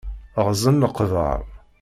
Ɣzen leqber.